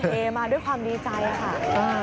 เพราะทุกคนเฮมาด้วยความดีใจค่ะ